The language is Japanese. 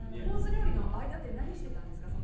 料理の間って何してたんですか？